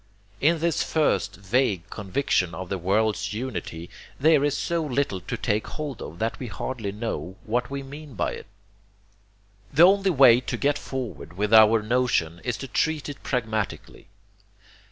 In this first vague conviction of the world's unity, there is so little to take hold of that we hardly know what we mean by it. The only way to get forward with our notion is to treat it pragmatically.